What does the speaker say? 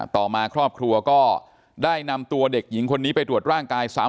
ต่อมาครอบครัวก็ได้นำตัวเด็กหญิงคนนี้ไปตรวจร่างกายซ้ำ